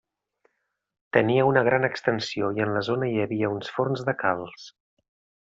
Tenia una gran extensió i en la zona hi havia uns forns de calç.